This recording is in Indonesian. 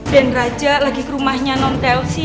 dan raja lagi ke rumahnya non telsi